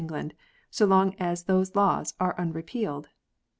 England, so long as those laws are unrepealed.